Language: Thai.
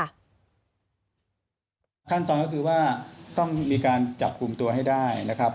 ขั้นตอนก็คือว่าต้องมีการจับกลุ่มตัวให้ได้นะครับ